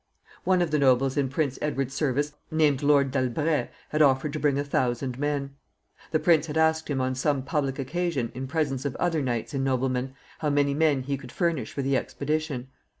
One of the nobles in Prince Edward's service, named Lord D'Albret, had offered to bring a thousand men. The prince had asked him on some public occasion, in presence of other knights and noblemen, how many men he could furnish for the expedition.